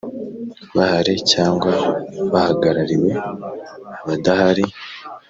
bahari cyangwa bahagarariwe Abadahari